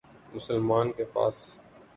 مسلمان کے پاس